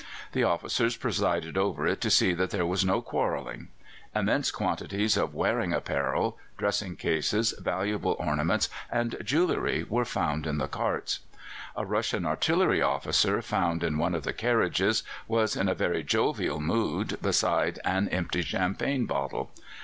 The officers presided over it to see that there was no quarrelling. Immense quantities of wearing apparel, dressing cases, valuable ornaments, and jewellery were found in the carts. A Russian artillery officer, found in one of the carriages, was in a very jovial mood, beside an empty champagne bottle.